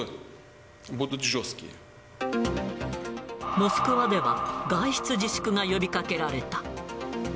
モスクワでは、外出自粛が呼びかけられた。